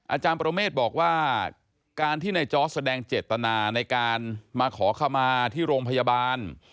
อาจารย์ประเมฆบอกว่าการที่ในจอร์ดแสดงเจตนาในการมาขอขมาที่โรงพยาบาล